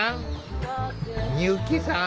美由紀さん